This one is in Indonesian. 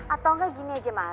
atau gak gini aja mah